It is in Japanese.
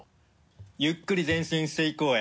「ゆっくり前進していこうや」